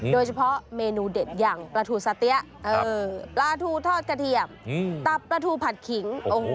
โดยเฉพาะเมนูเด็ดอย่างปลาทูสะเตี้ยปลาทูทอดกระเทียมตับปลาทูผัดขิง